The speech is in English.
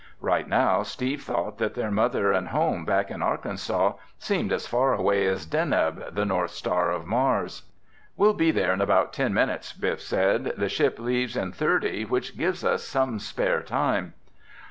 Right now, Steve thought that their mother and home, back in Arkansas, seemed as far away as Deneb, the North Star of Mars. "We'll be there in about ten minutes," Biff said. "The ship leaves in thirty, which gives us some spare time."